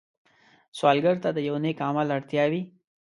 سوالګر ته د یو نېک عمل اړتیا وي